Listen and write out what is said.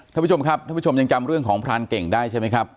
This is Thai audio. ท่านผู้ชมครับท่านผู้ชมยังจำเรื่องของพรานเก่งได้ใช่ไหมครับ